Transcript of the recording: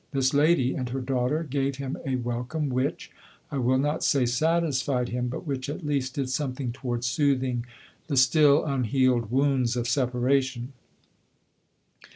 This lady and her daughter gave him a welcome which I will not say satisfied him, but which, at least, did something toward soothing the still unhealed wounds of separation.